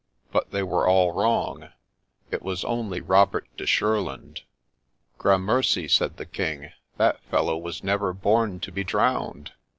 But they were all wrong ; it was only Robert de Shurland. ' Grammercy,' said the King, ' that fellow was never born to be drowned